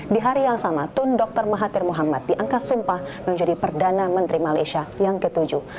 di hari yang sama tun dr mahathir muhammad diangkat sumpah menjadi perdana menteri malaysia yang ketujuh